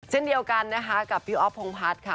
เช่นเดียวกันกับพี่อ๊อฟพงภัษค่ะ